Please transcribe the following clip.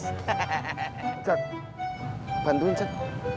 cak bantuin cak